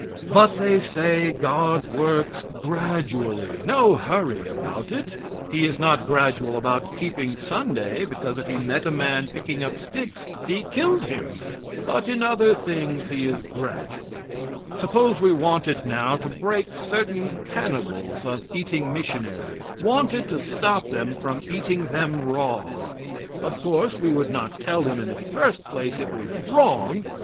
But, they say, God works gradually. No hurry about it. He is not gradual about keeping Sunday, because, if He met a man picking up sticks, He killed Him; but in other things He is gradual. Suppose we wanted now to break certain cannibals of eating missionaries wanted to stop them from eating them raw? Of course we would not tell them, in the first place, it was wrong.